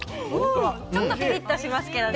ちょっとピリッとしますけどね。